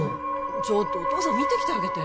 ちょっとお父さん見てきてあげて・